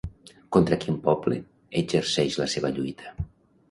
Contra quin poble exerceix la seva lluita?